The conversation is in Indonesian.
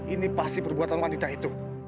ini pasti perbuatan wanita itu